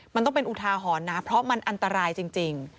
มันต้องเป็นอุทาหรณ์นะเพราะมันอันตรายจริง